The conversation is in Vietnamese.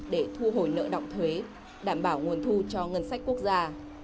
để thu hồi nợ động thuế đảm bảo nguồn thu cho ngân sách quốc gia